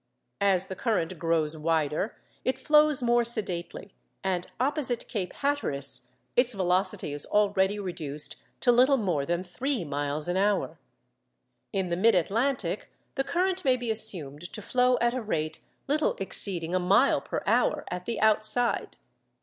As the current grows wider it flows more sedately; and opposite Cape Hatteras its velocity is already reduced to little more than three miles an hour. In the mid Atlantic the current may be assumed to flow at a rate little exceeding a mile per hour, at the outside.